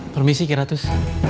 permisi kira tuz